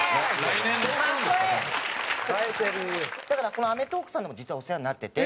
この『アメトーーク』さんでも実はお世話になってて。